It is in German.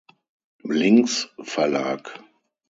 Links Verlag.